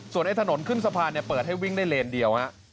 ส่วนถนนขึ้นสะพานเปิดให้วิ่งได้เลนเดียว